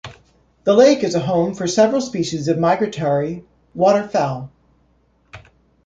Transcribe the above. The lake is a home for several species of migratory water fowl.